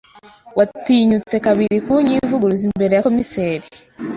Watinyutse kabiri kunyivuguruza imbere ya komiseri.